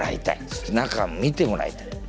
そして中見てもらいたい。